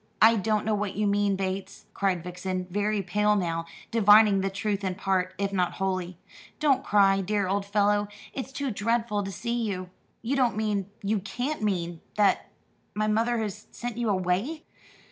"I don't know what you mean, Bates," cried Vixen, very pale now, divining the truth in part, if not wholly. "Don't cry, dear old fellow, it's too dreadful to see you. You don't mean you can't mean that my mother has sent you away?"